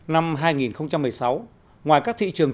năm hai nghìn một mươi sáu ngoài các thị trường